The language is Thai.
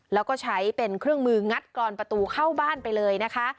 แล้วก็ใช้เป็นเครื่องมืองัดกรอนประตูเข้าบ้านไปเลยนะคะ